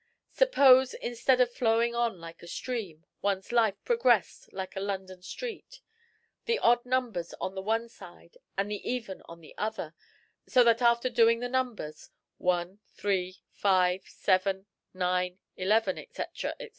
Suppose, instead of flowing on like a stream, one's life progressed like a London street the odd numbers on the one side and the even on the other, so that after doing the numbers 1, 3, 5, 7, 9, 11, &c., &c.